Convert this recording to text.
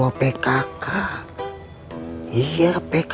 aku penting mengambil duke itu